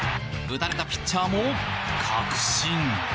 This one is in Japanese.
打たれたピッチャーも確信。